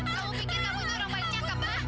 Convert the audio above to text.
kamu pikir kamu orang baik nyangka pak